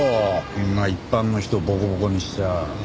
こんな一般の人ボコボコにしちゃ。